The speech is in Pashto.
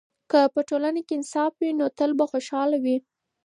که په ټولنه کې انصاف وي، نو تل به خوشحاله وي.